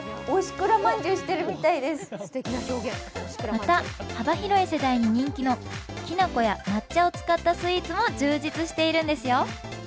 また幅広い世代に人気のきな粉や抹茶を使ったスイーツも充実しているんですよ。